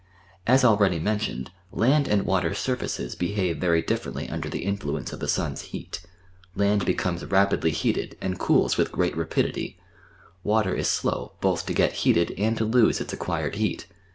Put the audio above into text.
As already mentioned, land and \\ater surfaces hehave very differently under the inlluencc of the sun's heat: land heeomes rapidly heated, and cools with great rapidity; water is slow holh to gel healed and to lose its acquired heat.